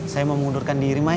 saya mau mundurkan diri mai